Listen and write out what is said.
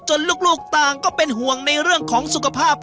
ลูกต่างก็เป็นห่วงในเรื่องของสุขภาพ